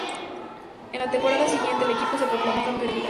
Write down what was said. En la temporada siguiente el equipo se proclamó campeón de Liga.